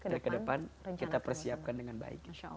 dan ke depan kita persiapkan dengan baik